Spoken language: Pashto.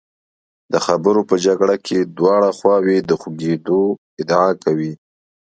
د خبرو په جګړه کې دواړه خواوې د خوږېدو ادعا کوي.